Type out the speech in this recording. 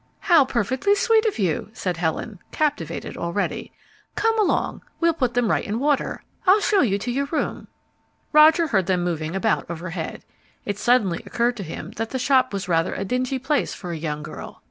"How perfectly sweet of you," said Helen, captivated already. "Come along, we'll put them right in water. I'll show you your room." Roger heard them moving about overhead. It suddenly occurred to him that the shop was rather a dingy place for a young girl.